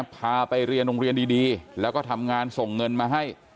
พาไปเรียนโรงเรียนดีแล้วก็ทำงานส่งเงินมาให้